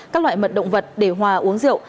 các loại mật động vật để hòa uống rượu